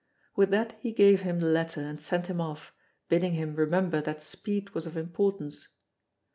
With that he gave him the letter and sent him off, bidding him remember that speed was of importance.